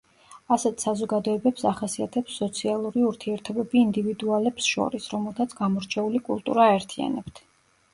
ასეთ საზოგადოებებს ახასიათებს სოციალური ურთიერთობები ინდივიდუალებს შორის, რომელთაც გამორჩეული კულტურა აერთიანებთ.